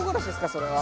それは。